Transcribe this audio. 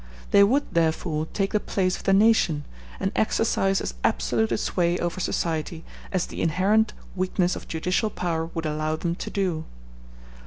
They would therefore take the place of the nation, and exercise as absolute a sway over society as the inherent weakness of judicial power would allow them to do.